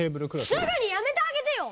すぐにやめてあげてよ！